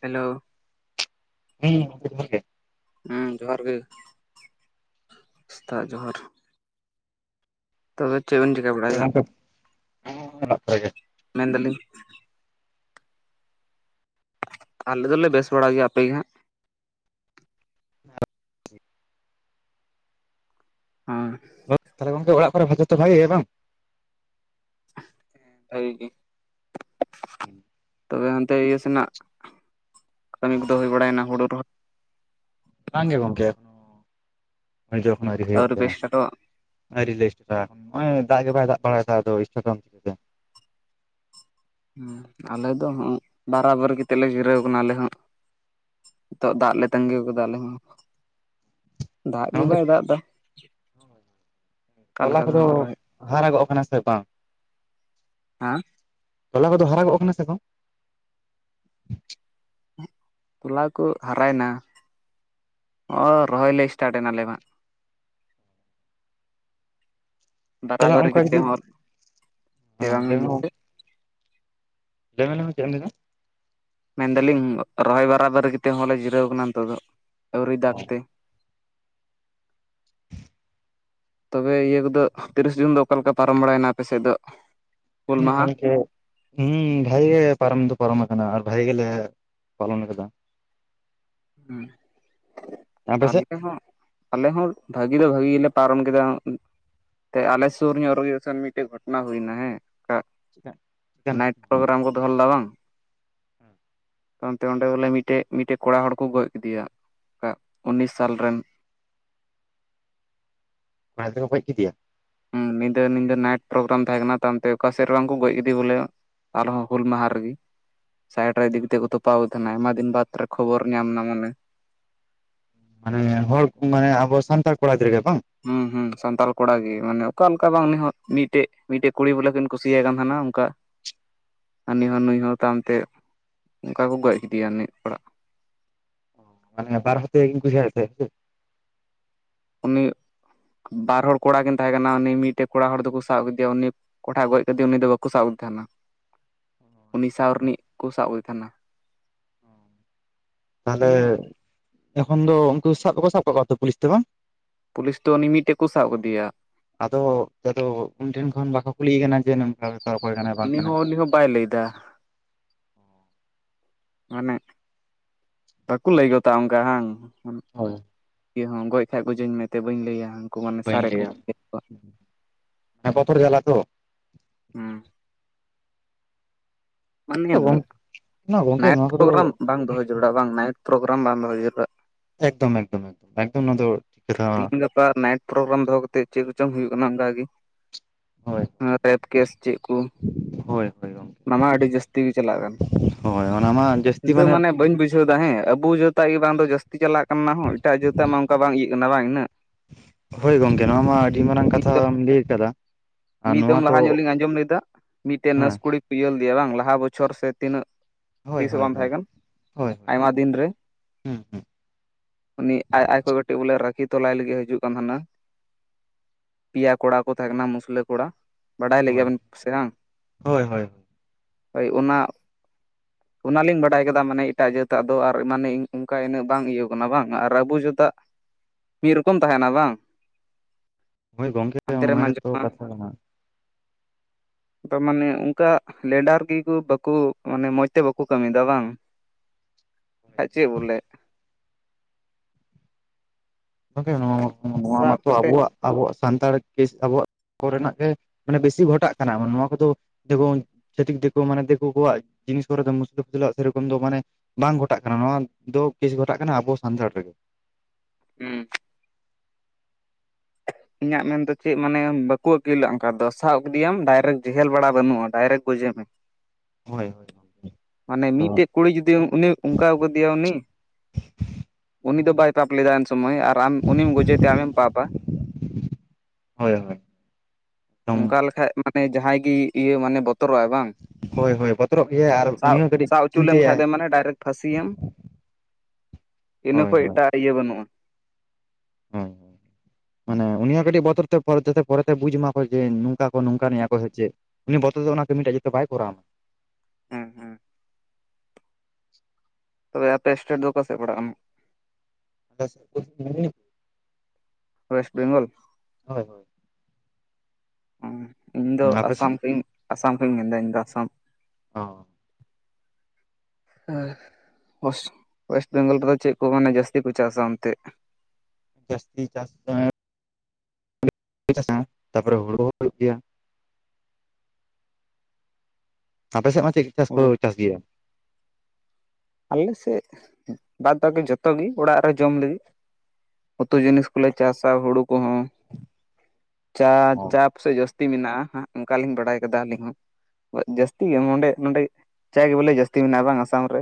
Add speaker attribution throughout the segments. Speaker 1: Hello
Speaker 2: ᱦᱮᱸ [unintelligible]
Speaker 1: ᱦᱮᱸ ᱡᱚᱦᱟᱨ ᱜᱮ? ᱥᱮᱛᱟᱜ ᱡᱚᱦᱟᱨ ᱛᱚᱵᱮ ᱪᱮᱵᱮᱱ ᱪᱤᱠᱟᱹ ᱵᱟᱲᱟᱭᱮᱫᱟ?
Speaker 2: ᱡᱚᱦᱟᱨ ᱜᱮ [inaudible] ᱜᱮ
Speaker 1: ᱢᱮᱱᱫᱟᱞᱤᱧ ᱟᱞᱮ ᱫᱚᱞᱮ ᱵᱮᱥ ᱵᱟᱲᱟ ᱜᱮᱭᱟ ᱟᱯᱮᱜ ᱜᱮ ᱦᱟᱸᱜ?
Speaker 2: [inaudible]
Speaker 1: ᱦᱚᱸ
Speaker 2: ᱛᱟᱦᱚᱞᱮ ᱜᱚᱝᱠᱮ ᱚᱲᱟᱜ ᱠᱚ ᱵᱷᱟᱜᱮᱚᱛ ᱵᱷᱤᱮᱭᱟ ᱵᱟᱝ?
Speaker 1: ᱦᱟᱹᱜᱤ ᱜᱤ
Speaker 2: ᱦᱮᱸ
Speaker 1: ᱛᱚᱵᱮ ᱦᱟᱱᱛᱮ ᱤᱭᱟᱹ ᱥᱮᱱᱟᱜ, ᱠᱟᱹᱢᱤ ᱠᱚᱼᱫᱚ ᱦᱩᱭ ᱵᱟᱲᱟᱭᱱᱟ ᱦᱩᱲᱩ ᱨᱚᱦᱚ
Speaker 2: ᱵᱟᱝ ᱜᱮ ᱜᱚᱝᱠᱮ [unintelligible] ᱮᱠᱷᱚᱱᱳ ᱟᱹᱣᱨᱤ ᱦᱩᱭᱩᱜ
Speaker 1: ᱯᱮ
Speaker 2: ᱜᱮᱭᱟ᱾
Speaker 1: ᱥᱴᱟᱴᱚᱜ-ᱟ
Speaker 2: ᱟᱹᱣᱨᱤ ᱞᱮ ᱮᱴᱟ, ᱱᱚᱜ-ᱚᱭ ᱫᱟᱜ ᱜᱮ ᱵᱟᱭ ᱫᱟᱜ ᱵᱟᱲᱟᱭᱮᱫᱟ᱾ ᱪᱤᱠᱟᱹᱛᱮ
Speaker 1: ᱟᱞᱮ ᱫᱚ ᱵᱟᱨᱟᱵᱟᱹᱨᱤ ᱠᱟᱛᱮᱜ ᱞᱮ ᱡᱤᱨᱟᱹᱣ ᱟᱠᱟᱱᱟ ᱟᱞᱮ ᱦᱚᱸ᱾ ᱛᱚᱜ ᱫᱟᱜ ᱞᱮ ᱛᱟᱸᱜᱤᱩ ᱠᱟᱫᱟ ᱟᱞᱮ ᱦᱚᱸ᱾ ᱫᱟᱜ ᱜᱤ
Speaker 2: ᱜᱚᱝᱠᱮ
Speaker 1: ᱵᱟᱭ ᱫᱟᱜ ᱫᱟ?
Speaker 2: ᱛᱚᱞᱟ ᱠᱚᱼᱫᱚ
Speaker 1: ᱨᱚᱦᱚᱭ
Speaker 2: ᱦᱟᱨᱟ-ᱜᱚᱜ ᱠᱟᱱᱟ ᱥᱮ ᱵᱟᱝ?
Speaker 1: ᱦᱮᱸ
Speaker 2: ᱛᱚᱞᱟ ᱠᱚᱼᱫᱚ ᱦᱟᱨᱟᱜᱚᱜ ᱠᱟᱱᱟ ᱥᱮ ᱵᱟᱝ?
Speaker 1: ᱛᱚᱞᱟ ᱠᱚ ᱦᱟᱨᱟᱭᱮᱱᱟ᱾ ᱚᱸ ᱨᱚᱦᱚᱭ ᱞᱮ ᱤᱥᱴᱟᱴ ᱮᱱᱟᱞᱮ ᱦᱟᱸᱜ
Speaker 2: ᱛᱟᱦᱞᱮ
Speaker 1: ᱵᱟᱨᱟᱵᱟᱨᱤ
Speaker 2: ᱚᱝᱠᱟ
Speaker 1: ᱠᱟᱛᱮ
Speaker 2: ᱡᱩᱫᱤ
Speaker 1: ᱦᱚᱸ
Speaker 2: ᱾
Speaker 1: ᱪᱮ
Speaker 2: ᱦᱩᱸ
Speaker 1: ᱵᱟᱝ
Speaker 2: ᱞᱟᱹᱭ ᱢᱮ ᱞᱮᱭ ᱢᱮ ᱞᱮᱭ ᱢᱮ ᱪᱮᱫ ᱮᱢ ᱞᱮᱭᱫᱟ?
Speaker 1: ᱢᱮᱱᱫᱟᱹᱞᱤᱧ ᱨᱚᱦᱚᱭ ᱵᱟᱨᱟ ᱵᱟᱹᱨᱤ ᱠᱟᱛᱮ ᱦᱚᱸᱞᱮ ᱡᱤᱨᱟᱹᱣ ᱠᱟᱱᱟ ᱱᱤᱛᱚᱜ ᱫᱚ ᱟᱹᱣᱨᱤ ᱫᱟᱜ ᱛᱮ᱾ ᱛᱚᱵᱮ ᱤᱭᱟᱹ ᱠᱚᱼᱫᱚ ᱛᱤᱨᱤᱥ ᱡᱩᱱ ᱫᱚ ᱚᱠᱟ ᱞᱮᱠᱟ ᱯᱟᱨᱚᱢ ᱵᱟᱲᱟᱭᱮᱱᱟ ᱟᱯᱮ ᱥᱮᱫ ᱫᱚ? ᱦᱩᱞ
Speaker 2: ᱦᱩᱸ
Speaker 1: ᱢᱟᱦᱟ?
Speaker 2: ᱜᱚᱝᱠᱮ ᱦᱩᱸ ᱵᱷᱟᱜᱮ ᱜᱮ ᱯᱟᱨᱚᱢ ᱫᱚ ᱯᱟᱨᱚᱢ ᱠᱟᱱᱟ, ᱟᱨ ᱵᱷᱟᱜᱮ ᱜᱮᱞᱮ ᱯᱟᱞᱚᱱ ᱟᱠᱟᱫᱟ᱾
Speaker 1: ᱦᱩᱸ
Speaker 2: ᱟᱯᱮ ᱥᱮᱫ
Speaker 1: ᱟᱞᱮ ᱦᱚᱸ ᱟᱞᱮ ᱦᱚᱸ ᱵᱷᱟᱹᱜᱤ ᱫᱚ ᱵᱷᱟᱹᱜᱤ ᱜᱮᱞᱮ ᱯᱟᱨᱚᱢ ᱠᱮᱫᱟ ᱾ ᱛᱮ ᱟᱞᱮ ᱥᱳᱨ ᱧᱚᱜ ᱨᱮᱜᱮ ᱥᱮ ᱢᱤᱫᱴᱮᱡ ᱜᱷᱚᱴᱚᱱᱟ ᱦᱩᱭᱱᱟ ᱦᱮᱸ,
Speaker 2: ᱪᱤᱠᱟᱱ
Speaker 1: ᱱᱟᱭᱤᱴ
Speaker 2: ᱜᱷᱚᱴᱚᱱᱟ ᱦᱩᱭᱱᱟ
Speaker 1: ᱯᱨᱳᱜᱨᱟᱢ ᱠᱚ ᱫᱚᱦᱚ ᱞᱮᱫᱟ ᱵᱟᱝ ᱛᱟᱭᱚᱢ ᱛᱮ ᱚᱸᱰᱮ ᱵᱚᱞᱮ ᱢᱤᱴᱮᱡ ᱢᱤᱴᱮᱡ ᱠᱚᱲᱟ ᱦᱚᱲ, ᱠᱚ ᱜᱚᱡᱽ ᱠᱤᱫᱮᱭᱟ ᱩᱱᱤᱥ ᱥᱟᱞ ᱨᱮᱱ ᱾
Speaker 2: ᱢᱟᱭ ᱛᱮᱠᱚ ᱜᱚᱡ ᱠᱤᱫᱤᱭᱟ ᱾
Speaker 1: ᱦᱩᱸ ᱱᱤᱫᱟᱹ ᱱᱤᱫᱟᱹ ᱱᱟᱭᱤᱴ ᱯᱨᱳᱜᱨᱟᱢ ᱛᱟᱦᱮᱸ ᱠᱟᱱᱟ ᱛᱟᱭᱚᱢᱛᱮ ᱚᱠᱟᱥᱮᱜ ᱨᱮ ᱵᱟᱝ ᱠᱚ ᱜᱚᱡᱽ ᱠᱮᱫᱮ ᱵᱚᱞᱮ, ᱟᱨᱦᱚᱸ ᱦᱩᱞ ᱢᱟᱦᱟ ᱨᱤᱜᱤ, ᱥᱟᱭᱮᱴ ᱨᱮ ᱤᱫᱤ ᱠᱟᱛᱮ ᱠᱚ ᱛᱚᱯᱟᱣ ᱛᱟᱦᱮᱱᱟ ᱟᱭᱢᱟ ᱫᱤᱱ ᱵᱟᱫᱽ ᱨᱮ ᱠᱷᱚᱵᱚᱨ ᱧᱟᱢ ᱮᱱᱟ, ᱢᱟᱱᱮ
Speaker 2: ᱢᱟᱱᱮ ᱦᱚᱲ ᱢᱟᱱᱮ ᱟᱵᱚ ᱥᱟᱱᱛᱟᱲ ᱠᱚᱲᱟ ᱜᱤᱫᱽᱨᱟᱹ ᱜᱮ ᱵᱟᱝ?
Speaker 1: ᱦᱩᱸ ᱦᱩᱸ ᱥᱟᱱᱛᱟᱞ ᱠᱚᱲᱟ ᱜᱮ ᱢᱟᱱᱮ ᱚᱠᱟᱞᱮᱠᱟ ᱵᱟᱝ ᱤᱱᱤᱦᱚ ᱢᱤᱜᱴᱮᱡ ᱢᱤᱜᱴᱮᱡ ᱠᱩᱲᱤ ᱵᱚᱞᱮ ᱠᱤᱱ ᱠᱩᱥᱤᱭᱟᱭ ᱠᱟᱱ ᱛᱟᱦᱮᱱᱟ ᱚᱱᱠᱟ
Speaker 2: [inaudible]
Speaker 1: ᱦᱟᱹᱱᱤ ᱦᱚᱸ ᱱᱩᱭ ᱦᱚᱸ ᱛᱟᱢ ᱛᱮ ᱚᱱᱠᱟ ᱠᱚ ᱜᱚᱡᱽ ᱠᱮᱫᱮᱭᱟ ᱩᱱᱤ ᱠᱚᱲᱟ,
Speaker 2: ᱢᱟᱱᱮ ᱵᱟᱨ ᱦᱚᱲ ᱛᱮ ᱠᱤᱧ ᱠᱩᱥᱤᱭᱟ ᱛᱮᱸᱦᱮᱜ
Speaker 1: ᱩᱱᱤ ᱵᱟᱨ ᱦᱚᱲ ᱠᱚᱲᱟ ᱠᱤᱱ ᱛᱟᱦᱮᱸ ᱠᱟᱱᱟ᱾ ᱩᱱᱤ ᱢᱤᱫᱴᱮᱡ ᱠᱚᱲᱟ ᱦᱚᱲ ᱫᱚᱠᱚ ᱥᱟᱵ ᱠᱮᱫᱮᱭᱟ, ᱩᱱᱤ ᱠᱚᱴᱷᱟᱭ ᱜᱚᱡ ᱠᱟᱸᱫᱮ ᱩᱱᱤ ᱫᱚ ᱵᱟᱠᱚ ᱥᱟᱵᱠᱟᱫᱮ ᱛᱟᱦᱮᱱᱟ᱾ ᱩᱱᱤ ᱥᱟᱶ ᱨᱤᱱᱤᱡ ᱠᱩ ᱥᱟᱵ ᱠᱟᱫᱮ ᱛᱟᱦᱮᱱᱟ᱾
Speaker 2: [inaudible] ᱛᱟᱦᱞᱮ ᱮᱠᱷᱚᱱ ᱫᱚ ᱩᱱᱠᱩ ᱥᱟᱵ ᱠᱚᱠᱚ ᱥᱟᱵ ᱠᱟᱜ ᱠᱚᱣᱟ ᱛᱚ ᱯᱩᱞᱤᱥ ᱛᱮ ᱵᱟᱝ?
Speaker 1: ᱯᱩᱞᱤᱥ ᱫᱚ ᱩᱱᱤ ᱢᱤᱫᱴᱮᱡ ᱠᱩ ᱥᱟᱵ ᱠᱟᱫᱤᱭᱟ᱾
Speaker 2: ᱟᱫᱚ ᱟᱫᱚ ᱩᱱᱤ ᱴᱷᱮᱱ ᱠᱷᱚᱱ ᱵᱟᱠᱚ ᱠᱩᱞᱤᱭᱮ ᱠᱟᱱᱟ ᱡᱮ ᱱᱚᱝᱠᱟ ᱵᱮᱯᱟᱨ, ᱚᱠᱚᱭ ᱠᱟᱱᱟᱭ ᱵᱟᱝ
Speaker 1: ᱩᱱᱤ
Speaker 2: ᱠᱟᱱᱟᱭ?
Speaker 1: ᱦᱚᱸ ᱩᱱᱤ ᱦᱚᱸ ᱵᱟᱭ ᱞᱟᱹᱭ ᱫᱟ᱾ ᱢᱟᱱᱮ ᱵᱟᱠᱩ ᱞᱟᱹᱭ ᱜᱚᱫᱟ ᱚᱱᱠᱟ ᱦᱟᱝ?
Speaker 2: ᱦᱳᱭ,
Speaker 1: ᱤᱭᱟᱹ ᱦᱚᱸ ᱜᱚᱡ ᱠᱷᱟᱡ ᱜᱚᱡᱟᱹᱧ ᱢᱮ ᱛᱮ ᱵᱟᱹᱧ ᱞᱟᱹᱭᱟ᱾ ᱠᱩ ᱢᱟᱱᱮ
Speaker 2: ᱵᱟᱹᱧ
Speaker 1: ᱥᱟᱨᱮ ᱠᱚ
Speaker 2: ᱞᱟᱹᱭᱟ ᱢᱟᱱᱮ ᱵᱚᱛᱚᱨ ᱡᱟᱞᱟ ᱛᱚ
Speaker 1: ᱦᱩᱸ ᱢᱟᱱᱮ
Speaker 2: ᱜᱚᱝᱠᱮ
Speaker 1: ᱱᱟᱭᱤᱴ
Speaker 2: ᱱᱚᱣᱟ ᱠᱚᱫᱚ
Speaker 1: ᱯᱨᱳᱜᱨᱟᱢ ᱵᱟᱝ ᱫᱚᱦᱚ ᱡᱟᱹᱲᱩᱲᱟ ᱵᱟᱝ ᱱᱟᱭᱤᱴ ᱯᱨᱳᱜᱨᱟᱢ ᱵᱟᱝ ᱫᱚᱦᱚ ᱡᱟᱹᱨᱩᱲᱟ᱾
Speaker 2: ᱮᱠᱫᱚᱢ ᱮᱠᱫᱚᱢ ᱮᱠᱫᱚᱢ ᱮᱠᱫᱚᱢ ᱱᱚᱣᱟ ᱫᱚ, ᱴᱷᱤᱠ ᱠᱟᱛᱷᱟ
Speaker 1: ᱛᱤᱦᱤᱧ ᱜᱟᱯᱟ ᱱᱟᱭᱤᱴ ᱯᱨᱳᱜᱨᱟᱢ ᱫᱚᱦᱚ ᱠᱟᱛᱮᱫ ᱪᱮᱫ ᱠᱚᱪᱚᱝ ᱦᱳᱭᱩᱜ ᱠᱟᱱᱟ ᱚᱱᱠᱟᱜᱤ ᱾
Speaker 2: ᱦᱳᱭ
Speaker 1: ᱮ ᱛᱮᱸᱫ ᱠᱮᱥ ᱪᱮᱜ ᱠᱩ,
Speaker 2: ᱦᱳᱭ ᱦᱳᱭ ᱜᱚᱝᱠᱮ᱾
Speaker 1: ᱚᱱᱟ ᱢᱟ ᱟᱹᱰᱤ ᱡᱟᱹᱥᱛᱤ ᱜᱤ ᱪᱟᱞᱟᱜ ᱠᱟᱱ ᱾
Speaker 2: ᱦᱳᱭ ᱚᱱᱟ ᱢᱟ ᱡᱟᱹᱥᱛᱤ ᱢᱟᱱᱮ
Speaker 1: ᱵᱩᱡᱷᱟᱹᱣ ᱫᱟ ᱦᱮᱸ ᱟᱵᱩ ᱡᱟᱹᱛᱣᱟᱜ ᱜᱮ ᱵᱟᱝ ᱫᱚ ᱡᱟᱹᱥᱛᱤ ᱪᱟᱞᱟᱜ ᱠᱟᱱ, ᱚᱱᱟ ᱦᱚᱸ ᱮᱴᱟᱜ ᱡᱟᱹᱛᱟᱜ ᱢᱟ ᱚᱱᱠᱟ ᱵᱟᱝ ᱤᱭᱟᱹᱜ ᱠᱟᱱᱟ ᱵᱟᱝ ᱤᱱᱟᱹᱜ,
Speaker 2: ᱦᱳᱭ ᱜᱚᱢᱠᱮ ᱱᱚᱣᱟ ᱢᱟ ᱟᱹᱰᱤ ᱢᱟᱨᱟᱝ ᱠᱟᱛᱷᱟᱢ ᱞᱟᱹᱭ ᱟᱠᱟᱫᱟ᱾
Speaker 1: ᱢᱤᱫ ᱫᱚᱢ ᱞᱟᱦᱟ ᱧᱚᱜ ᱞᱤᱧ ᱟᱸᱡᱚᱢ ᱞᱮᱫᱟ ᱢᱤᱫᱴᱮᱱ
Speaker 2: ᱦᱮᱸ
Speaker 1: ᱱᱟᱹᱨᱥ ᱠᱩᱲᱤ ᱠᱚ ᱤᱭᱟᱹ ᱫᱤᱭᱟ ᱵᱟᱝ ᱞᱟᱦᱟ ᱵᱚᱪᱷᱚᱨ ᱥᱮ ᱛᱤᱱᱟᱹᱜ?
Speaker 2: ᱦᱳᱭ
Speaker 1: ᱛᱤᱥ ᱦᱚᱸ
Speaker 2: ᱦᱳᱭ
Speaker 1: ᱵᱟᱝ
Speaker 2: ᱦᱳᱭ
Speaker 1: ᱛᱟᱦᱮᱸ ᱠᱟᱱ,
Speaker 2: ᱦᱳᱭ ᱦᱳᱭ
Speaker 1: ᱟᱭᱢᱟ ᱫᱤᱱᱨᱮ,
Speaker 2: ᱦᱩᱸ ᱦᱩᱸ
Speaker 1: ᱩᱱᱤ ᱟᱡ ᱟᱡ ᱠᱷᱚᱡ ᱠᱟᱹᱴᱤ ᱵᱚᱞᱮ ᱨᱟᱹᱠᱷᱤ ᱛᱚᱞᱟᱭ ᱞᱟᱹᱜᱤᱫ ᱦᱟᱹᱡᱩᱜ ᱠᱟᱱ ᱛᱟᱦᱮᱱᱟ ᱾ ᱯᱤᱭᱟ ᱠᱚᱲᱟ ᱠᱚ ᱛᱟᱦᱮᱸ ᱠᱟᱱᱟ ᱢᱩᱥᱞᱟᱹ ᱠᱚᱲᱟ, ᱵᱟᱰᱟᱭ
Speaker 2: ᱦᱳᱭ
Speaker 1: ᱞᱮᱜᱮᱭᱟᱵᱮᱱ ᱥᱮ ᱵᱟᱝ
Speaker 2: ᱦᱳᱭ ᱦᱳᱭ
Speaker 1: ᱦᱳᱭ ᱚᱱᱟ
Speaker 2: [inaudible]
Speaker 1: ᱚᱱᱟᱞᱤᱧ ᱵᱟᱰᱟᱭ ᱠᱟᱫᱟ ᱢᱟᱱᱮ ᱮᱴᱟᱜ ᱡᱟᱹᱛᱟᱜ ᱫᱚ ᱟᱨ ᱢᱟᱱᱮ ᱚᱱᱠᱟ ᱤᱱᱟᱹᱜ ᱵᱟᱝ? ᱤᱭᱟᱹ ᱠᱟᱱᱟ ᱵᱟᱝ ᱟᱨ ᱟᱵᱚ ᱡᱟᱹᱛᱟᱜ ᱢᱤᱜ ᱨᱚᱠᱚᱢ ᱛᱟᱦᱮᱱᱟ ᱵᱟᱝ?
Speaker 2: ᱦᱳᱭ ᱜᱚᱝᱠᱮ
Speaker 1: ᱦᱟᱱᱛᱮ ᱨᱮᱢ
Speaker 2: ᱚᱱᱟ ᱜᱮᱛᱚ
Speaker 1: ᱟᱸᱡᱚᱢᱟ
Speaker 2: ᱠᱟᱛᱷᱟ ᱠᱟᱱᱟ ᱾
Speaker 1: ᱛᱚ ᱢᱟᱱᱮ ᱚᱱᱠᱟ ᱞᱮᱰᱟᱨ ᱜᱮᱠᱚ ᱵᱟᱹᱠᱚ ᱢᱟᱱᱮ ᱢᱚᱸᱡᱽ ᱛᱮ ᱵᱟᱠᱚ ᱠᱟᱹᱢᱤᱭᱮᱫᱟ ᱵᱟᱝ᱾
Speaker 2: [inaudible]
Speaker 1: ᱠᱷᱟᱡ ᱪᱮᱫ ᱵᱚᱞᱮ
Speaker 2: ᱜᱚᱝᱠᱮ ᱱᱚᱣᱟ ᱱᱚᱣᱟ
Speaker 1: ᱥᱟᱵ
Speaker 2: ᱢᱟᱛᱚ
Speaker 1: ᱠᱟᱛᱮᱫ
Speaker 2: ᱟᱵᱚᱣᱟᱜ ᱟᱵᱚᱣᱟᱜ ᱥᱟᱱᱛᱟᱲ ᱠᱮᱥ ᱛᱟᱵᱚᱱ ᱠᱚᱨᱮᱱᱟᱜ ᱜᱮ ᱢᱟᱱᱮ ᱵᱮᱥᱤ ᱜᱷᱚᱴᱟᱜ ᱠᱟᱱᱟ ᱱᱚᱣᱟ ᱠᱚᱫᱚ ᱡᱚᱵᱚᱱ ᱪᱷᱟᱛᱤᱠ ᱫᱤᱠᱩ ᱢᱟᱱᱮ ᱫᱤᱠᱩ ᱠᱚᱣᱟᱜ ᱡᱤᱱᱤᱥ ᱠᱚᱨᱮ [inaudible] ᱥᱮᱨᱚᱠᱚᱢ ᱫᱚ ᱢᱟᱱᱮ ᱵᱟᱝ ᱜᱷᱚᱴᱟᱜ ᱠᱟᱱᱟ ᱱᱚᱣᱟ ᱫᱚ ᱠᱮᱥ ᱜᱷᱚᱴᱟᱜ ᱠᱟᱱᱟ ᱟᱵᱚ ᱥᱟᱱᱛᱟᱲ ᱨᱮᱜᱮ᱾
Speaker 1: ᱦᱩᱸ ᱤᱧᱟᱹᱜ ᱢᱮᱱᱫᱚ ᱪᱮᱫ ᱢᱟᱱᱮ ᱵᱟᱠᱚ ᱟᱹᱠᱤᱞ ᱟᱜ ᱚᱱᱠᱟ ᱫᱚ ᱥᱟᱵ ᱠᱮᱫᱮᱭᱟᱢ ᱰᱟᱭᱨᱮᱠᱴ ᱡᱮᱦᱮᱞ ᱵᱟᱲᱟ ᱵᱟᱹᱱᱩᱜᱼᱟ ᱰᱟᱭᱨᱮᱠᱴ ᱜᱚᱡᱮ ᱢᱮ᱾
Speaker 2: [inaudible] ᱦᱳᱭ
Speaker 1: ᱢᱟᱱᱮ
Speaker 2: ᱟᱫᱚ
Speaker 1: ᱢᱤᱫᱴᱮᱡ ᱠᱩᱲᱤ ᱡᱩᱫᱤ ᱩᱱᱤ ᱚᱱᱠᱟᱣ ᱠᱟᱫᱮᱭᱟ ᱩᱱᱤ ᱩᱱᱤ ᱫᱚ ᱵᱟᱭ ᱯᱟᱯ ᱞᱮᱫᱟ ᱩᱱ ᱥᱚᱢᱳᱭ ᱟᱨ ᱟᱢ ᱩᱱᱤᱢ ᱜᱚᱡᱮᱛᱮ ᱟᱢᱮᱢ ᱯᱟᱯᱟ᱾
Speaker 2: ᱦᱳᱭ ᱦᱳᱭ ᱮᱠᱫᱚᱢ
Speaker 1: ᱚᱱᱠᱟ ᱞᱮᱠᱷᱟᱡ ᱢᱟᱱᱮ ᱡᱟᱦᱟᱸᱭ ᱜᱮ ᱤᱭᱟᱹ ᱢᱟᱱᱮ ᱵᱚᱛᱚᱨᱚᱜᱼᱟᱭ ᱵᱟᱝ᱾
Speaker 2: ᱦᱳᱭ ᱦᱳᱭ ᱵᱚᱛᱚᱨᱚᱜ ᱜᱮᱭᱟᱭ ᱟᱨ
Speaker 1: ᱥᱟᱵ
Speaker 2: ᱩᱱᱤ ᱦᱚᱸ ᱠᱟᱹᱴᱤᱡ
Speaker 1: ᱥᱟᱵ ᱦᱚᱪᱚ ᱞᱮᱱᱠᱷᱟᱡ
Speaker 2: ᱪᱤᱱᱛᱟᱹᱭᱟᱭ
Speaker 1: ᱫᱚ ᱢᱟᱱᱮ ᱰᱟᱭᱨᱮᱠᱴ ᱯᱷᱟᱥᱤᱭᱮᱢ ᱤᱱᱟᱹ
Speaker 2: ᱦᱳᱭ
Speaker 1: ᱠᱷᱚᱡ ᱮᱴᱟᱜ ᱤᱭᱟᱹ ᱵᱟᱹᱱᱩᱜᱼᱟ ᱾
Speaker 2: ᱦᱮᱸ ᱢᱟᱱᱮ ᱩᱱᱤ ᱦᱚᱸ ᱠᱟᱹᱴᱤᱡ ᱵᱚᱛᱚᱨ ᱛᱮ ᱡᱟᱛᱮ ᱯᱚᱨᱮᱛᱮ ᱵᱩᱡᱽ ᱢᱟ ᱚᱠᱚᱭ ᱡᱮ ᱱᱚᱝᱠᱟ ᱱᱚᱝᱠᱟ ᱢᱮᱭᱟ ᱠᱚ ᱥᱮ ᱪᱮᱫ ᱩᱱᱤ ᱵᱚᱛᱚᱨ ᱫᱚ ᱚᱱᱟ ᱠᱟᱹᱢᱤᱴᱟᱜ ᱡᱚᱛᱚ ᱵᱟᱭ ᱠᱚᱨᱟᱣᱢᱟ᱾
Speaker 1: ᱦᱩᱸ ᱦᱩᱸ ᱛᱚᱵᱮ ᱟᱯᱮ ᱮᱥᱴᱮᱴ ᱫᱚ ᱚᱠᱟ ᱥᱮᱫ ᱯᱟᱲᱟᱜ ᱠᱟᱱᱟ᱾
Speaker 2: [unintelligible]
Speaker 1: ᱳᱭᱮᱥᱴ ᱵᱮᱝᱜᱚᱞ᱾
Speaker 2: ᱦᱳᱭ ᱦᱳᱭ
Speaker 1: ᱚᱸ ᱤᱧ ᱫᱚ
Speaker 2: ᱟᱯᱮ ᱥᱮᱫ
Speaker 1: ᱟᱥᱟᱢ ᱠᱷᱚᱱᱤᱧ ᱟᱥᱟᱢ ᱠᱷᱚᱱᱤᱧ ᱢᱮᱱᱫᱟ ᱤᱧ ᱫᱚ ᱟᱥᱟᱢ
Speaker 2: ᱚ [inaudible]
Speaker 1: ᱟᱨ ᱳᱭᱮᱥ ᱳᱭᱮᱥᱴ ᱵᱮᱝᱜᱚᱞ ᱨᱮᱫᱚ ᱪᱮᱫ ᱠᱚ ᱢᱟᱱᱮ ᱡᱟᱹᱥᱛᱤ ᱠᱚ ᱪᱟᱥᱟ ᱚᱱᱛᱮ?
Speaker 2: ᱡᱟᱹᱥᱛᱤ ᱪᱟᱥ [unintelligible] [unintelligible] ᱛᱟᱯᱚᱨᱮ ᱦᱩᱲᱩ ᱦᱚᱸ ᱦᱩᱭᱩᱜ ᱜᱮᱭᱟ ᱾ ᱟᱯᱮ ᱥᱮᱜᱢᱟ ᱪᱮᱫ ᱪᱟᱥ ᱠᱚ
Speaker 1: ᱦᱩᱲᱩ
Speaker 2: ᱪᱟᱥ ᱜᱮᱭᱟ?
Speaker 1: ᱟᱞᱮ ᱥᱮᱫ ᱵᱟᱫᱽ ᱵᱟᱠᱤ ᱡᱚᱛᱚ ᱜᱮ ᱚᱲᱟᱜ ᱨᱮ ᱡᱚᱢ ᱞᱟᱹᱜᱤᱫ᱾ ᱩᱛᱩ ᱡᱤᱱᱤᱥ ᱠᱚᱞᱮ ᱪᱟᱥᱟ ᱦᱩᱲᱳ ᱠᱚᱦᱚᱸ᱾ ᱪᱟᱸ
Speaker 2: ᱚ
Speaker 1: ᱪᱟᱸ ᱟᱯᱮᱥᱮᱫ ᱡᱟᱹᱥᱛᱤ ᱢᱮᱱᱟᱜᱼᱟ ᱦᱟᱸᱜ ᱚᱱᱠᱟᱞᱤᱧ ᱵᱟᱲᱟᱭ ᱠᱟᱫᱟ ᱟᱹᱞᱤᱧ ᱦᱚᱸ᱾ ᱡᱟᱹᱥᱛᱤ ᱜᱮ ᱱᱚᱰᱮ ᱱᱚᱰᱮ ᱪᱟᱭ ᱜᱮ ᱵᱚᱞᱮ ᱡᱟᱹᱥᱛᱤ ᱢᱮᱱᱟᱜᱼᱟ ᱵᱟᱝ ᱟᱥᱟᱢ ᱨᱮ?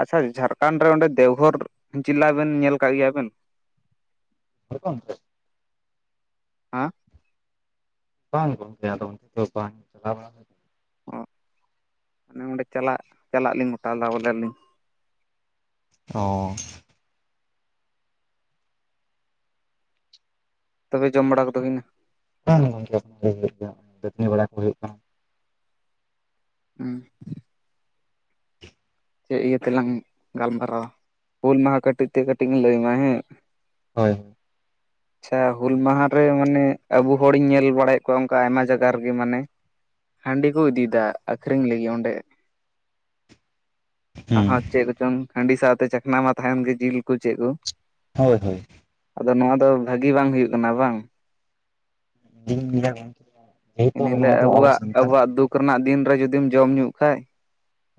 Speaker 1: ᱟᱪᱪᱷᱟ ᱡᱷᱟᱲᱠᱷᱚᱱᱰ ᱨᱮ ᱚᱸᱰᱮ ᱫᱮᱣᱜᱷᱚᱨ ᱡᱮᱞᱟ ᱵᱮᱱ ᱧᱮᱞ ᱟᱠᱟᱫ ᱜᱮᱭᱟ ᱵᱮᱱ?
Speaker 2: ᱦᱳᱭ ᱜᱚᱝᱠᱮ
Speaker 1: ᱦᱮᱸ
Speaker 2: ᱵᱟᱝ ᱜᱚᱝᱠᱮ ᱟᱫᱚ ᱚᱱᱛᱮ ᱫᱚ ᱵᱟᱝ ᱪᱟᱞᱟᱣ ᱵᱟᱲᱟ
Speaker 1: ᱚ ᱟᱱᱮ ᱚᱸᱰᱮ ᱪᱟᱞᱟᱜ ᱪᱟᱞᱟᱜ ᱞᱤᱧ ᱜᱚᱴᱟᱞᱮᱫᱟ ᱵᱚᱞᱮ ᱞᱤᱧ᱾
Speaker 2: ᱚ
Speaker 1: ᱛᱚᱵᱮ ᱡᱚᱢ ᱵᱟᱲᱟ ᱠᱚᱫᱚ ᱦᱩᱭᱮᱱᱟ᱾
Speaker 2: [unintelligible] ᱵᱟᱲᱟ ᱠᱚ ᱦᱩᱭᱩᱜ ᱠᱟᱱᱟ᱾
Speaker 1: ᱦᱩᱸ ᱪᱮᱫ ᱤᱭᱟᱹ ᱛᱮᱞᱟᱝ ᱜᱟᱞᱢᱟᱨᱟᱣᱟ ᱦᱩᱞ ᱢᱟᱦᱟᱸ ᱠᱟᱹᱴᱤᱡ ᱛᱮ ᱠᱟᱹᱴᱤᱡ ᱢᱤᱧ ᱞᱟᱹᱭᱟᱢᱟ ᱦᱮᱸ᱾
Speaker 2: ᱦᱳᱭ ᱦᱳᱭ
Speaker 1: ᱟᱪᱪᱷᱟ ᱦᱩᱞ ᱢᱟᱦᱟᱸ ᱨᱮ ᱢᱟᱱᱮ ᱟᱵᱚ ᱦᱚᱲᱤᱧ ᱧᱮᱞ ᱵᱟᱲᱟᱭᱮᱫ ᱠᱚᱣᱟ ᱚᱱᱠᱟ ᱟᱭᱢᱟ ᱡᱟᱭᱜᱟ ᱨᱮᱜᱮ ᱢᱟᱱᱮ᱾ ᱦᱟᱺᱰᱤ ᱠᱚ ᱤᱫᱤᱫᱟ ᱟᱠᱷᱨᱤᱧ ᱞᱟᱹᱜᱤᱫ ᱚᱸᱰᱮ ᱟᱦᱟ ᱪᱮᱫ ᱠᱚᱪᱚᱝ ᱦᱟᱺᱰᱤ ᱥᱟᱶᱛᱮ ᱪᱟᱠᱷᱱᱟ ᱢᱟ ᱛᱟᱦᱮᱱ ᱜᱮ ᱡᱤᱞ ᱠᱚ ᱪᱮᱫ ᱠᱚ,
Speaker 2: ᱦᱳᱭ ᱦᱳᱭ᱾
Speaker 1: ᱟᱫᱚ ᱱᱚᱣᱟ ᱫᱚ ᱵᱷᱟᱜᱤ ᱵᱟᱝ ᱦᱩᱭᱩᱜ ᱠᱟᱱᱟ ᱵᱟᱝ᱾
Speaker 2: [unintelligible] [unintelligible]
Speaker 1: ᱤᱱᱦᱤᱞᱟᱹᱜ
Speaker 2: ᱫᱚ ᱟᱵᱚ
Speaker 1: ᱟᱵᱚᱣᱟᱜ
Speaker 2: ᱥᱟᱱᱛᱟᱲ
Speaker 1: ᱟᱵᱚᱣᱟᱜ ᱫᱩᱠ [unintelligible] ᱫᱤᱱ ᱨᱮ ᱡᱩᱫᱤᱢ ᱡᱚᱢ ᱧᱩᱜ ᱠᱷᱟᱡ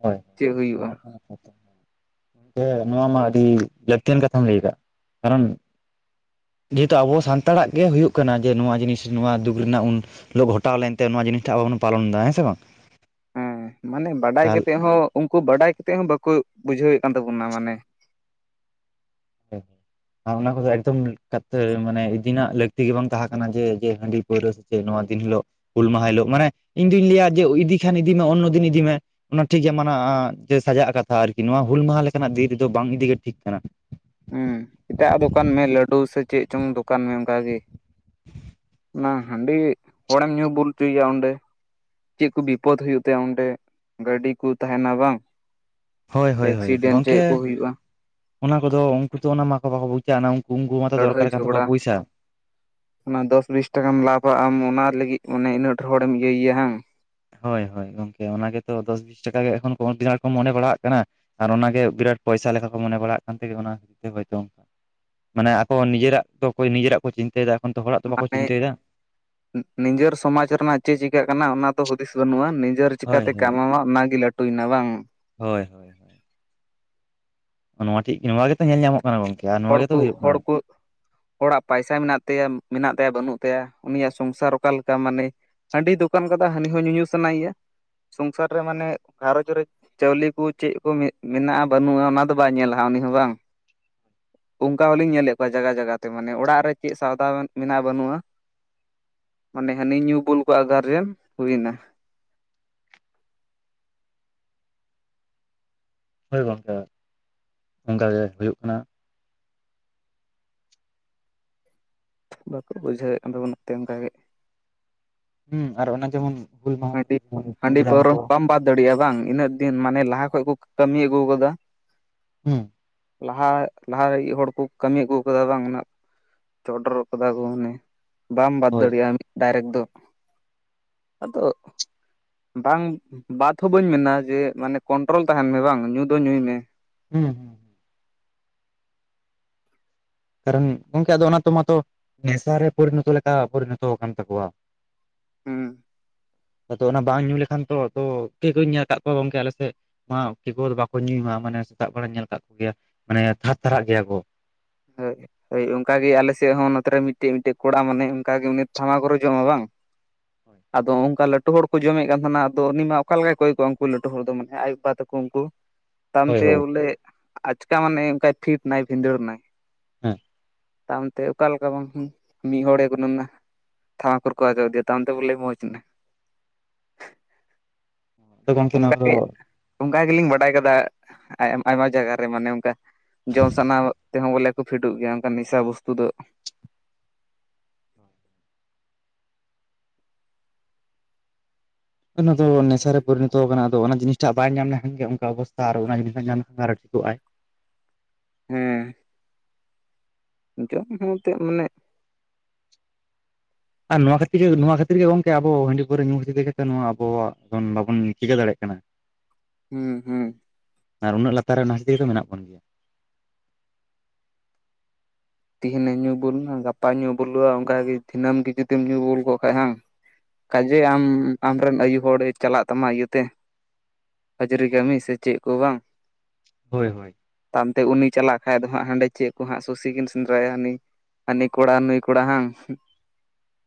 Speaker 2: ᱦᱳᱭ
Speaker 1: ᱪᱮᱫ ᱦᱩᱭᱩᱜ-ᱟ᱾
Speaker 2: [unintelligible] ᱱᱚᱣᱟ ᱢᱟ ᱟᱹᱰᱤ ᱞᱟᱹᱠᱛᱤᱭᱟᱱ ᱠᱟᱛᱷᱟᱢ ᱞᱟᱹᱭ ᱠᱟᱫ ᱠᱟᱨᱚᱱ ᱡᱮᱦᱮᱛᱩ ᱟᱵᱚ ᱥᱟᱱᱛᱟᱲᱟᱜ ᱜᱮ ᱦᱩᱭᱩᱜ ᱠᱟᱱᱟ ᱡᱮ ᱱᱚᱣᱟ ᱡᱤᱱᱤᱥ ᱱᱚᱣᱟ ᱫᱩᱠ ᱨᱮᱱᱟᱜ ᱩᱱ ᱜᱷᱚᱴᱟᱣ ᱞᱮᱱᱛᱮ ᱱᱚᱣᱟ ᱡᱤᱱᱤᱥ ᱴᱷᱟᱠ ᱟᱵᱚ ᱵᱚᱱ ᱯᱟᱞᱚᱱ ᱫᱟ ᱦᱮᱸ ᱥᱮ ᱵᱟᱝ?
Speaker 1: ᱦᱮᱸ ᱢᱟᱱᱮ ᱵᱟᱰᱟᱭ
Speaker 2: ᱛᱟᱦᱚᱞᱮ
Speaker 1: ᱠᱟᱛᱮᱫ ᱦᱚᱸ ᱩᱱᱠᱩ ᱵᱟᱰᱟᱭ ᱠᱟᱛᱮᱫ ᱦᱚᱸ ᱵᱟᱠᱚ ᱵᱩᱡᱷᱟᱹᱣᱮᱫ ᱠᱟᱱ ᱛᱟᱵᱚᱱᱟ ᱢᱟᱱᱮ
Speaker 2: [unintelligible] [unintelligible] ᱚᱱᱟ ᱠᱚᱫᱚ ᱮᱠᱫᱚᱢ [unintelligible] ᱢᱟᱱᱮ ᱤᱫᱤᱱᱟᱜ ᱞᱟᱹᱠᱛᱤ ᱜᱮ ᱵᱟᱝ ᱛᱟᱦᱟᱸ ᱠᱟᱱᱟ ᱡᱮ ᱡᱮ ᱦᱟᱺᱰᱤ ᱯᱟᱹᱣᱨᱟᱹ ᱥᱮ ᱱᱚᱣᱟ ᱫᱤᱱ ᱦᱤᱞᱳᱜ ᱦᱩᱞ ᱢᱟᱦᱟ ᱦᱤᱞᱳᱜ ᱢᱟᱱᱮ ᱤᱧᱫᱩᱧ ᱞᱟᱹᱭᱟ ᱡᱮ ᱤᱫᱤ ᱠᱷᱟᱱ ᱤᱫᱤᱢᱮ ᱚᱱᱚᱫᱤᱱ ᱤᱫᱤᱢᱮ, ᱚᱱᱟ ᱴᱷᱤᱠ ᱜᱮᱭᱟ ᱢᱟᱱᱟᱜ-ᱟ ᱡᱮ ᱥᱟᱡᱟᱜ ᱠᱟᱛᱷᱟ ᱟᱨᱠᱤ ᱱᱚᱣᱟ ᱦᱩᱞ ᱢᱟᱦᱟ ᱞᱮᱠᱟᱱᱟᱜ ᱫᱤᱱ ᱨᱮᱫᱚ ᱵᱟᱝ ᱤᱫᱤᱜᱮ ᱴᱷᱤᱠ ᱠᱟᱱᱟ᱾
Speaker 1: ᱦᱩᱸ ᱮᱴᱟᱜ-ᱟᱜ ᱫᱚᱠᱟᱱ ᱢᱮ ᱞᱟᱹᱰᱩ ᱥᱮ ᱪᱮᱫ ᱪᱚᱝ ᱫᱚᱠᱟᱱ ᱢᱮ ᱚᱱᱠᱟ ᱜᱮ, ᱚᱱᱟ ᱦᱟᱺᱰᱤ ᱦᱚᱲᱮᱢ ᱧᱩ ᱵᱩᱞ ᱪᱩᱭ ᱭᱟ ᱚᱸᱰᱮ, ᱪᱮᱫ ᱠᱚ ᱵᱤᱯᱚᱫ ᱦᱳᱭᱳᱜ ᱛᱟᱭᱟ ᱚᱸᱰᱮ ᱜᱟᱹᱰᱤ ᱠᱚ ᱛᱟᱦᱮᱱᱟ ᱵᱟᱝ,
Speaker 2: ᱦᱳᱭ ᱦᱳᱭ ᱦᱳᱭ
Speaker 1: ᱮᱠᱥᱤᱰᱮᱱᱴ
Speaker 2: ᱜᱚᱝᱠᱮ
Speaker 1: ᱪᱮᱫ ᱠᱚ ᱦᱩᱭᱩᱜᱼᱟ
Speaker 2: ᱚᱱᱟ ᱠᱚᱫᱚ ᱩᱱᱠᱩ ᱛᱚ ᱚᱱᱟ ᱢᱟᱠᱚ ᱵᱟᱠᱚ ᱵᱩᱪᱟ ᱩᱱᱠᱩ ᱩᱱᱠᱩ ᱢᱟᱛᱚ ᱫᱚᱨᱠᱟᱨ
Speaker 1: ᱞᱟᱹᱲᱦᱟᱹᱭ
Speaker 2: ᱠᱟᱱ ᱛᱟᱠᱚᱣᱟ
Speaker 1: ᱡᱷᱚᱜᱽᱲᱟ
Speaker 2: ᱯᱚᱭᱥᱟ᱾
Speaker 1: ᱚᱱᱟ ᱫᱚᱥ ᱵᱤᱥ ᱴᱟᱠᱟᱢ ᱞᱟᱵᱯᱟ ᱟᱢ ᱚᱱᱟ ᱞᱟᱹᱜᱤᱫ ᱚᱱᱮ ᱤᱱᱟᱹᱜ ᱰᱷᱟᱹᱨ ᱦᱚᱲᱮᱢ ᱤᱭᱟᱹᱭ ᱭᱟ ᱦᱟᱝ᱾
Speaker 2: ᱦᱳᱭ ᱦᱳᱭ ᱜᱚᱝᱠᱮ ᱚᱱᱟ ᱜᱮᱛᱚ ᱫᱚᱥ ᱵᱤᱥ ᱴᱟᱠᱟ ᱜᱮ ᱮᱠᱷᱚᱱ ᱠᱚ [unintelligible] ᱢᱚᱱᱮ ᱵᱟᱲᱟᱣᱟᱜ ᱠᱟᱱᱟ, ᱟᱨ ᱚᱱᱟᱜᱮ ᱵᱤᱨᱟᱴ ᱯᱚᱭᱥᱟ ᱞᱮᱠᱟ ᱠᱚ ᱢᱚᱱᱮ ᱵᱟᱲᱟᱜ ᱠᱟᱱ ᱛᱮᱜᱮ ᱚᱱᱟ ᱦᱚᱭᱛᱚ ᱢᱟᱱᱮ ᱟᱠᱚ ᱱᱤᱡᱮᱨᱟᱜ ᱛᱚ ᱠᱳᱭ ᱱᱤᱡᱮᱨᱟᱜ ᱠᱚ ᱪᱤᱱᱛᱟᱹᱭ ᱫᱟ ᱮᱠᱷᱚᱱ ᱛᱚ ᱦᱚᱲᱟᱜ ᱫᱚ ᱵᱟᱠᱚ ᱪᱤᱱᱛᱟᱹᱭ ᱫᱟ᱾
Speaker 1: ᱱᱤᱡᱟᱹᱨ ᱥᱚᱢᱟᱡᱽ ᱨᱮᱱᱟᱜ ᱪᱮᱫ ᱪᱤᱠᱟᱹᱜ ᱠᱟᱱᱟ ᱚᱱᱟ ᱫᱚ ᱦᱩᱫᱤᱥ ᱵᱟᱹᱱᱩᱜ-ᱟ [unintelligible] [unintelligible]
Speaker 2: ᱦᱳᱭ
Speaker 1: ᱪᱤᱠᱟᱛᱮ
Speaker 2: ᱦᱳᱭ
Speaker 1: ᱠᱟᱢᱟᱣᱟ ᱚᱱᱟᱜᱮ ᱞᱟᱹᱴᱩᱭ ᱱᱟ ᱵᱟᱝ,
Speaker 2: ᱦᱳᱭ ᱦᱳᱭ ᱾ ᱱᱚᱣᱟ [unintelligible] ᱧᱮᱞ ᱧᱟᱢᱚᱜ ᱠᱟᱱᱟ ᱜᱚᱝᱠᱮ ᱟᱨ ᱱᱚᱣᱟ
Speaker 1: ᱦᱚᱲ
Speaker 2: ᱜᱮᱛᱚ
Speaker 1: ᱠᱚ
Speaker 2: ᱦᱩᱭᱩᱜ
Speaker 1: ᱦᱚᱲ
Speaker 2: ᱠᱟᱱᱟ
Speaker 1: ᱠᱚ ᱦᱚᱲᱟᱜ ᱯᱟᱭᱥᱟ ᱢᱮᱱᱟᱜ ᱛᱟᱭᱟ ᱢᱮᱱᱟᱜ ᱛᱟᱭᱟ ᱵᱟᱹᱱᱩᱜ ᱛᱟᱭᱟ ᱩᱱᱤᱭᱟᱜ ᱥᱚᱝᱥᱟᱨ ᱚᱠᱟ ᱞᱮᱠᱟ ᱢᱟᱱᱮ ᱦᱟᱺᱰᱤ ᱫᱚᱠᱟᱱ ᱠᱟᱫᱟᱭ ᱦᱟᱹᱱᱤ ᱦᱚᱸ ᱧᱩ ᱧᱩ ᱥᱟᱱᱟᱭ ᱭᱟ ᱥᱚᱝᱥᱟᱨ ᱨᱮ ᱢᱟᱱᱮ ᱜᱷᱟᱨᱚᱡᱽ ᱨᱮ ᱪᱟᱣᱞᱤ ᱠᱚ ᱪᱮᱫ ᱠᱚ ᱢᱮᱱᱟᱜ-ᱟ ᱵᱟᱹᱱᱩᱜ-ᱟ ᱚᱱᱟ ᱫᱚ ᱵᱟᱭ ᱧᱮᱞᱟᱦᱟᱜ ᱩᱱᱤ ᱦᱚᱸ ᱵᱟᱝ, ᱚᱱᱠᱟ ᱦᱚᱞᱤᱧ ᱧᱮᱞᱮᱫ ᱠᱚᱣᱟ ᱡᱟᱜᱟ ᱡᱟᱜᱟ ᱛᱮ ᱢᱟᱱᱮ ᱚᱲᱟᱜ ᱨᱮ ᱪᱮᱫ ᱥᱟᱣᱫᱟ ᱢᱮᱱᱟᱜ-ᱟ ᱵᱟᱹᱱᱩᱜ-ᱟ᱾ ᱢᱟᱱᱮ ᱦᱟᱹᱱᱤ ᱧᱩ ᱵᱩᱞ ᱠᱚᱣᱟᱜ ᱜᱟᱨᱡᱮᱱ ᱦᱩᱭᱱᱟ,
Speaker 2: ᱦᱳᱭ ᱜᱚᱝᱠᱮ ᱚᱱᱠᱟ ᱜᱮ ᱦᱩᱭᱩᱜ ᱠᱟᱱᱟ᱾
Speaker 1: ᱵᱟᱠᱚ ᱵᱩᱡᱷᱟᱹᱣᱮᱫ ᱠᱟᱱ ᱛᱟᱵᱚᱱᱟ ᱚᱱᱟᱛᱮ ᱚᱱᱠᱟ ᱜᱮ,
Speaker 2: ᱦᱩᱸ ᱟᱨ ᱚᱱᱟ ᱡᱮᱢᱚᱱ ᱦᱩᱞ ᱢᱟᱦᱟ ᱠᱚᱨᱮ
Speaker 1: ᱦᱟᱺᱰᱤ
Speaker 2: ᱡᱮᱢᱚᱱ
Speaker 1: ᱦᱟᱺᱰᱤ
Speaker 2: ᱯᱨᱳᱜᱨᱟᱢ
Speaker 1: ᱯᱟᱹᱣᱨᱟᱹ
Speaker 2: ᱠᱚ
Speaker 1: ᱵᱟᱢ ᱵᱟᱫ ᱫᱟᱲᱤᱭᱟᱜ-ᱟ ᱵᱟᱝ ᱤᱱᱟᱹᱜ ᱫᱤᱱ ᱢᱟᱱᱮ ᱞᱟᱦᱟ ᱠᱷᱚᱡ ᱠᱚ ᱠᱟᱹᱢᱤ ᱟᱹᱜᱩ ᱠᱟᱫᱟ᱾
Speaker 2: [unintelligible]
Speaker 1: ᱞᱟᱦᱟ ᱞᱟᱦᱟ ᱨᱮ ᱤᱭᱟᱹᱜ ᱦᱚᱲ ᱠᱚ ᱠᱟᱹᱢᱤ ᱟᱹᱜᱩ ᱠᱟᱫᱟ ᱵᱟᱝ ᱚᱱᱟ ᱪᱚᱰᱚᱨᱚ ᱠᱟᱫᱟ ᱠᱚ ᱢᱟᱱᱮ ᱵᱟᱢ ᱵᱟᱫ
Speaker 2: ᱦᱳᱭ
Speaker 1: ᱫᱟᱲᱤᱭᱟᱜ-ᱟ ᱰᱟᱭᱨᱮᱠᱴ ᱫᱚ᱾ ᱟᱫᱚ ᱵᱟᱝ ᱵᱟᱫ ᱦᱚᱸ ᱵᱟᱹᱧ ᱢᱮᱱᱟ ᱡᱮ ᱢᱟᱱᱮ ᱠᱚᱱᱴᱨᱳᱞ ᱛᱟᱦᱮᱱ ᱢᱮ ᱵᱟᱝ ᱧᱩ ᱫᱚ ᱧᱩᱭ ᱢᱮ᱾
Speaker 2: [inaudible] ᱠᱟᱨᱚᱱ ᱜᱚᱝᱠᱮ ᱟᱫᱚ ᱚᱱᱟ ᱛᱚᱢᱟᱛᱚ, ᱱᱮᱥᱟᱨᱮ ᱯᱚᱨᱤᱱᱚᱛᱚ ᱞᱮᱠᱟ ᱯᱚᱨᱤᱱᱚᱛᱚ ᱠᱟᱱ ᱛᱟᱠᱚᱣᱟ᱾
Speaker 1: ᱦᱩᱸ᱾
Speaker 2: ᱟᱫᱚ ᱚᱱᱟ ᱵᱟᱝ ᱧᱩ ᱞᱮᱠᱷᱟᱱ ᱛᱚ ᱛᱚ [unintelligible] ᱠᱚᱧ ᱧᱮᱞ ᱠᱟᱜ ᱠᱚᱣᱟ ᱜᱚᱝᱠᱮ ᱟᱞᱮ ᱥᱮᱫ, ᱢᱟ [unintelligible] ᱵᱟᱠᱚ ᱧᱩᱭ ᱢᱟ ᱢᱟᱱᱮ ᱥᱮᱛᱟᱜ ᱵᱮᱲᱟᱧ ᱧᱮᱞ ᱠᱟᱜ ᱠᱚ ᱜᱮᱭᱟ ᱢᱟᱱᱮ ᱛᱷᱟᱨ ᱛᱷᱟᱨᱟᱜ ᱜᱮᱭᱟ ᱠᱚ᱾
Speaker 1: [unintelligible] ᱦᱳᱭ ᱚᱝᱠᱟ ᱜᱮ ᱟᱞᱮ ᱥᱮᱜ ᱦᱚᱸ ᱱᱚᱛᱮ ᱨᱮ ᱢᱤᱫᱴᱮᱡ ᱢᱤᱫᱴᱮᱡ ᱠᱚᱲᱟ ᱢᱟᱱᱮ ᱚᱝᱠᱟ ᱜᱮ ᱩᱱᱤ ᱛᱷᱟᱢᱟᱠᱩᱨᱮ ᱡᱚᱢᱟ ᱵᱟᱝ, ᱟᱫᱚ ᱚᱝᱠᱟ ᱞᱟ ᱴᱩ ᱦᱚᱲ ᱠᱚ ᱡᱚᱢᱮᱫ ᱠᱟᱱ ᱛᱟᱦᱮᱸᱱᱟ ᱟᱫᱚ ᱩᱱᱤ ᱢᱟ ᱚᱠᱟ ᱞᱮᱠᱟᱭ ᱠᱚᱭ ᱠᱚᱣᱟ ᱩᱱᱠᱩ ᱞᱟᱹᱴᱩ ᱦᱚᱲ ᱫᱚ ᱢᱟᱱᱮ ᱟᱡ ᱵᱟᱵᱟ ᱛᱟᱠᱚ ᱩᱝᱠᱩ᱾ ᱛᱟᱭᱚᱢ
Speaker 2: ᱦᱳᱭ
Speaker 1: ᱛᱮ
Speaker 2: ᱦᱳᱭ
Speaker 1: ᱵᱚᱞᱮ, ᱟᱪᱠᱟ ᱢᱟᱱᱮ ᱚᱝᱠᱟᱭ ᱯᱷᱤᱴ ᱱᱟᱭ ᱵᱷᱤᱸᱫᱟᱹᱲ ᱱᱟᱭ᱾
Speaker 2: ᱦᱮᱸ᱾
Speaker 1: ᱛᱟᱭᱚᱢ ᱛᱮ ᱚᱠᱟ ᱞᱮᱠᱟ ᱵᱟᱝ, ᱢᱤᱫ ᱦᱚᱲᱮ [unintelligible] ᱛᱷᱟᱢᱟᱠᱩᱨ ᱠᱚᱭ [unintelligible] ᱛᱟᱭᱚᱢ ᱛᱮ ᱵᱚᱞᱮ ᱢᱚᱪᱮᱱᱟ᱾
Speaker 2: ᱟᱫᱚ ᱜᱚᱝᱠᱮ ᱱᱚᱣᱟ
Speaker 1: ᱚᱝᱠᱟ
Speaker 2: ᱠᱚᱫᱚ
Speaker 1: ᱜᱮ ᱚᱝᱠᱟ ᱜᱮᱞᱤᱧ ᱵᱟᱰᱟᱭ ᱠᱟᱫᱟ, ᱟᱭ ᱟᱭᱢᱟ ᱡᱟᱭᱜᱟ ᱨᱮ ᱢᱟᱱᱮ ᱚᱝᱠᱟ, ᱡᱚᱢ ᱥᱟᱱᱟ ᱛᱮᱦᱚᱸ ᱵᱚᱞᱮ ᱠᱚ ᱯᱷᱤᱴᱩᱜ ᱜᱮᱭᱟ ᱚᱝᱠᱟ ᱱᱮᱥᱟ ᱵᱚᱥᱛᱩ ᱫᱚ,
Speaker 2: ᱚᱱᱟ ᱫᱚ ᱱᱮᱥᱟ ᱨᱮ ᱯᱚᱨᱤᱱᱤᱛᱚ ᱠᱟᱱᱟ ᱟᱫᱚ ᱚᱱᱟ ᱡᱤᱱᱤᱥᱴᱟᱜ ᱵᱟᱭ ᱧᱟᱢ ᱞᱮᱠᱷᱟᱱ ᱜᱮ ᱚᱝᱠᱟ ᱚᱵᱚᱥᱛᱟ ᱟᱨᱚ ᱚᱱᱟ ᱡᱤᱱᱤᱥ ᱴᱟᱜ ᱧᱟᱢ ᱞᱮᱠᱷᱟᱱ ᱜᱮ ᱟᱨᱚ ᱴᱷᱤᱠᱚᱜᱼᱟᱭ᱾
Speaker 1: ᱦᱮᱸ᱾ ᱡᱚᱢ ᱞᱮᱱᱠᱷᱟᱱ ᱦᱚᱸ ᱮᱱᱛᱮ ᱢᱟᱱᱮ
Speaker 2: ᱟᱨ ᱱᱚᱣᱟ ᱠᱷᱟᱹᱛᱤᱨ ᱜᱮ ᱱᱚᱣᱟ ᱠᱷᱟᱹᱛᱤᱨ ᱜᱮ ᱜᱚᱝᱠᱮ ᱟᱵᱚ ᱦᱟᱺᱰᱤ ᱯᱟᱹᱣᱨᱟᱹ ᱧᱩ ᱠᱷᱟᱹᱛᱤᱨ ᱛᱮᱜᱮ ᱛᱚ ᱱᱚᱣᱟ ᱟᱵᱚᱣᱟᱜ ᱵᱚᱱ ᱵᱟᱵᱚᱱ ᱪᱤᱠᱟᱹ ᱫᱟᱲᱮᱭᱟᱜ ᱠᱟᱱᱟ᱾
Speaker 1: ᱦᱩᱸ ᱦᱩᱸ᱾
Speaker 2: ᱟᱨ ᱩᱱᱟᱹᱜ ᱞᱟᱛᱟᱨ ᱨᱮ ᱱᱟᱦᱟᱛᱤ ᱫᱚ ᱢᱮᱱᱟᱜ ᱵᱚᱱ ᱜᱮᱭᱟ᱾
Speaker 1: ᱛᱤᱦᱤᱧ ᱮᱢ ᱧᱩ ᱵᱩᱞᱱᱟ, ᱜᱟᱯᱟ ᱧᱩ ᱵᱩᱞᱩᱜᱼᱟ ᱚᱝᱠᱟ ᱜᱤ ᱫᱤᱱᱟᱹᱢ ᱜᱤ ᱡᱩᱫᱤᱢ ᱧᱩ ᱵᱩᱞ ᱠᱚᱜ ᱠᱷᱟᱡ ᱦᱟᱝ᱾ ᱠᱟᱡᱮ ᱟᱢ ᱟᱢᱨᱮᱱ ᱟᱭᱩ ᱦᱚᱲᱮ ᱪᱟᱞᱟᱜ ᱛᱟᱢᱟ ᱤᱭᱟᱹᱛᱮ ᱦᱟᱹᱡᱨᱤ ᱠᱟᱹᱢᱤ ᱥᱮ ᱪᱮᱫ ᱠᱚ ᱵᱟᱝ᱾
Speaker 2: ᱦᱳᱭ ᱦᱳᱭ᱾
Speaker 1: ᱛᱟᱭᱚᱢ ᱛᱮ ᱩᱱᱤ ᱪᱟᱞᱟᱜ ᱠᱷᱟᱡ ᱫᱚ ᱦᱟᱸᱜ ᱦᱟᱸᱰᱮ ᱪᱮᱜ ᱠᱚ ᱦᱟᱸᱜ ᱥᱩᱥᱤ ᱠᱤᱱ ᱜᱟᱭᱟᱱᱤ, ᱦᱟᱹᱱᱤ ᱠᱚᱲᱟ ᱱᱩᱭ ᱠᱚᱲᱟ ᱦᱟᱝ᱾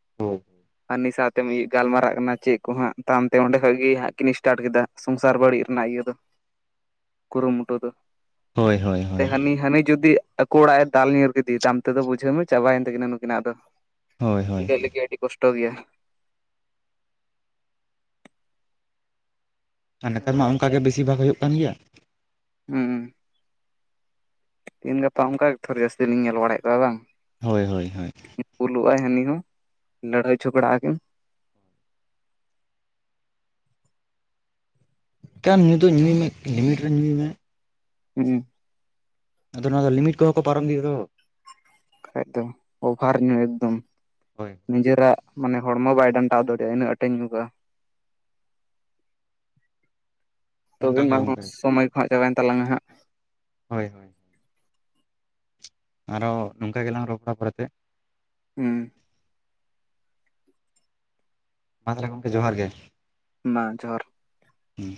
Speaker 2: [unintelligible]
Speaker 1: ᱟᱨ ᱱᱩᱭ ᱥᱟᱶᱛᱮᱢ ᱤᱭᱟᱹᱜ ᱜᱟᱞᱢᱟᱨᱟᱜ ᱠᱟᱱᱟ ᱪᱮᱫ ᱠᱚ ᱦᱟᱸᱜ, ᱛᱟᱭᱚᱢ ᱛᱮ ᱚᱸᱰᱮ ᱠᱷᱚᱡ ᱜᱮ ᱦᱟᱸᱜ ᱠᱤᱱ ᱥᱴᱟᱴ ᱠᱮᱫᱟ᱾ ᱥᱚᱝᱥᱟᱨ ᱵᱟᱲᱤᱡ ᱨᱮᱱᱟᱜ ᱤᱭᱟᱹ ᱫᱚ, ᱠᱩᱨᱩᱢᱩᱴᱩ ᱫᱚ,
Speaker 2: ᱦᱳᱭ ᱦᱳᱭ
Speaker 1: ᱮ
Speaker 2: ᱦᱳᱭ
Speaker 1: ᱦᱟᱹᱱᱤ ᱦᱟᱹᱱᱤ ᱡᱩᱫᱤ ᱟᱠᱚ ᱚᱲᱟᱜ ᱮ ᱫᱟᱞ ᱧᱤᱨ ᱤᱫᱤ ᱫᱟᱢ ᱛᱮᱫᱚ ᱵᱩᱡᱷᱟᱹᱣ ᱢᱮ ᱪᱟᱵᱟᱭᱮᱱ ᱛᱟᱹᱠᱤᱱᱟ ᱱᱩᱠᱤᱱᱟᱜ ᱫᱚ,
Speaker 2: ᱦᱳᱭ ᱦᱳᱭ
Speaker 1: ᱢᱤᱞᱟᱹᱜ ᱞᱟᱹᱜᱤᱫ ᱟᱹᱰᱤ ᱠᱚᱥᱴᱚ ᱜᱮᱭᱟ᱾
Speaker 2: ᱟᱨ ᱱᱮᱛᱟᱨ ᱢᱟ ᱚᱝᱠᱟ ᱜᱮ ᱵᱮᱥᱤᱨ ᱵᱷᱟᱜᱽ ᱦᱳᱭᱳᱜ ᱠᱟᱱ ᱜᱮᱭᱟ᱾
Speaker 1: ᱦᱩᱸ᱾ ᱛᱮᱦᱮᱸᱱ ᱜᱟᱯᱟ ᱚᱝᱠᱟ ᱜᱮ ᱛᱷᱚᱨ ᱡᱟᱹᱥᱛᱤ ᱞᱤᱧ ᱧᱮᱞ ᱵᱟᱲᱟᱭᱮᱫ ᱠᱚᱣᱟ ᱵᱟᱝ᱾
Speaker 2: ᱦᱳᱭ ᱦᱳᱭ ᱦᱳᱭᱺ
Speaker 1: ᱧᱩ ᱵᱩᱞᱩᱜᱟᱭ ᱦᱟᱹᱱᱤ ᱦᱚᱸ, ᱞᱟᱹᱲᱦᱟᱹᱭ ᱡᱷᱚᱜᱚᱲᱟᱜ ᱟᱠᱤᱱ᱾
Speaker 2: ᱠᱟᱱ ᱧᱩᱫᱚ ᱧᱩᱭ ᱢᱮ ᱞᱤᱢᱤᱴ ᱨᱮ ᱧᱩᱭ ᱢᱮ᱾
Speaker 1: ᱦᱩᱸ᱾
Speaker 2: ᱟᱫᱚ ᱱᱚᱣᱟ ᱫᱚ ᱞᱤᱢᱤᱴ ᱠᱚᱦᱚᱸ ᱠᱚ ᱯᱟᱨᱚᱢ ᱤᱫᱤᱭᱮᱜ ᱫᱚ᱾
Speaker 1: ᱮᱠᱫᱚᱢ ᱚᱵᱷᱟᱨ ᱧᱩ ᱮᱠᱫᱚᱢ,
Speaker 2: ᱦᱳᱭ
Speaker 1: ᱱᱤᱡᱮᱨᱟᱜ ᱢᱟᱱᱮ ᱦᱚᱲᱢᱚ ᱵᱟᱭ ᱰᱟᱱᱴᱟᱣ ᱫᱟᱲᱮᱭᱟᱜᱼᱟ ᱤᱱᱟᱹᱜ ᱟᱸᱴ ᱮ ᱧᱩ ᱠᱟᱜᱼᱟ᱾ ᱛᱚᱵᱮ
Speaker 2: ᱚᱱᱠᱟ ᱜᱮ
Speaker 1: ᱢᱟ
Speaker 2: ᱜᱚᱝᱠᱮ
Speaker 1: ᱥᱚᱢᱚᱭ ᱠᱚ ᱦᱟᱸᱜ ᱪᱟᱵᱟᱭᱮᱱ ᱛᱟᱞᱟᱝᱟ ᱦᱟᱸᱜ᱾
Speaker 2: ᱦᱳᱭ ᱟᱨᱚ ᱱᱚᱝᱠᱟ ᱜᱮᱞᱟᱝ ᱨᱚᱯᱚᱲᱟ ᱯᱚᱨᱮᱛᱮ᱾
Speaker 1: ᱦᱩᱸ
Speaker 2: ᱢᱟ ᱛᱟᱦᱚᱞᱮ ᱜᱚᱢᱠᱮ ᱡᱚᱦᱟᱨ ᱜᱮ᱾
Speaker 1: ᱢᱟ ᱡᱚᱦᱟᱨ᱾
Speaker 2: ᱦᱩᱸ